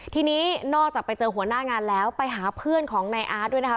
ทีนี้นอกจากไปเจอหัวหน้างานแล้วไปหาเพื่อนของนายอาร์ตด้วยนะคะ